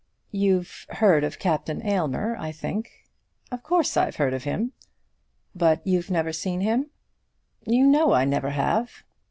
"You've heard of Captain Aylmer, I think." "Of course I've heard of him." "But you've never seen him?" "You know I never have."